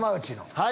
はい！